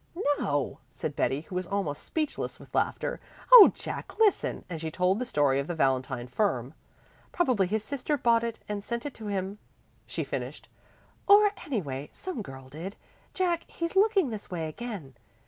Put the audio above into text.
"No," said Betty, who was almost speechless with laughter. "Oh, Jack, listen!" and she told the story of the valentine firm. "Probably his sister bought it and sent it to him," she finished. "Or anyway some girl did. Jack, he's looking this way again.